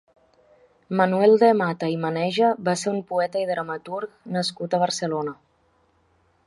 Manuel de Mata i Maneja va ser un poeta i dramaturg nascut a Barcelona.